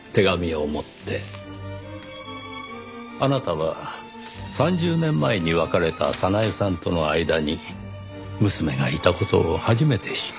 あなたは３０年前に別れた早苗さんとの間に娘がいた事を初めて知った。